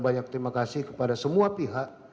banyak terima kasih kepada semua pihak